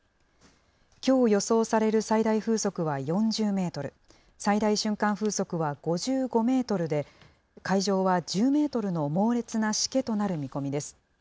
きょう予想される最大風速は４０メートル、最大瞬間風速は５５メートルで、海上は１０メートルの猛烈なしけとなる見込みです。